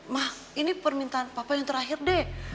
mah ini permintaan papa yang terakhir deh